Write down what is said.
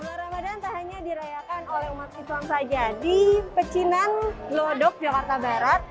bulan ramadan tak hanya dirayakan oleh umat islam saja di pecinan lodok jakarta barat